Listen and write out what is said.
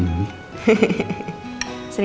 mas mau jatuh